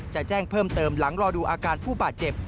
จะแจ้งเพิ่มเติมหลังรอดูอาการผู้บาดเจ็บ